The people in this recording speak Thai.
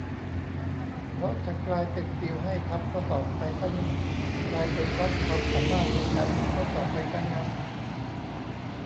เพราะจะกลายเป็นติวให้ทำข้อสอบไปซะนี่ กลายเป็นวัดความสามารถในการทำข้อสอบไปซะงั้น